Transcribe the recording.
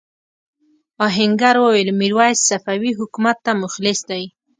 آهنګر وویل میرويس صفوي حکومت ته مخلص دی.